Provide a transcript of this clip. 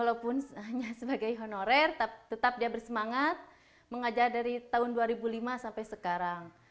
walaupun hanya sebagai honorer tetap dia bersemangat mengajar dari tahun dua ribu lima sampai sekarang